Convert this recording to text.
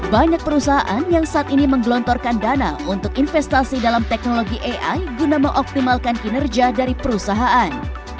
banyak perusahaan yang saat ini menggelontorkan dana untuk investasi dalam teknologi ai guna mengoptimalkan kinerja dari perusahaan